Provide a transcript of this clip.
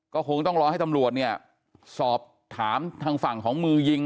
ก็คงต้องรอให้ตำรวจเนี่ยสอบถามทางฝั่งของมือยิง